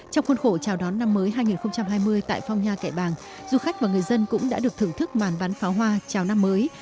trong khuôn khổ chào đón năm mới hai nghìn hai mươi tại phong nha kẻ bàng du khách và người dân cũng đã được thưởng thức màn bán pháo hoa chào năm mới